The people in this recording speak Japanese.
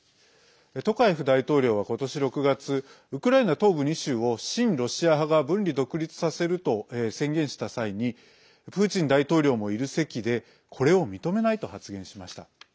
トカエフ大統領は今年６月ウクライナ東部２州を親ロシア派が分離独立させると宣言した際にプーチン大統領もいる席でこれを認めないと発言しました。